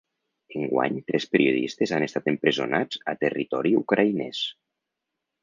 Enguany tres periodistes han estat empresonats a territori ucraïnès.